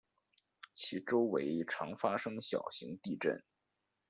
其周围常发生小型地震。